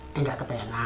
ini nggak kebenar